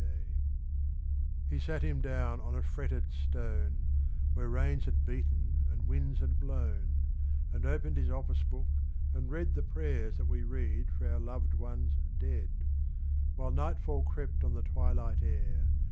XX He sate him down on a fretted stone, ^\^lere rains had beaten and winds had blown, And opened his office book, and read The prayers that we read for our loved ones dead, "WTiile nightfall crept on the twilight air.